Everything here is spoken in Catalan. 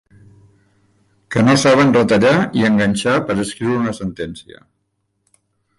Que no saben retallar i enganxar per a escriure una sentència.